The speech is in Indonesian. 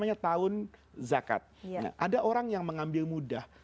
ada orang yang mengambil mudah